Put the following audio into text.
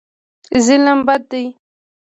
ظلم بد دی.